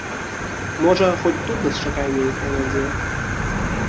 Можа, хоць тут нас чакае нейкая надзея.